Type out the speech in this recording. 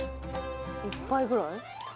１杯ぐらい？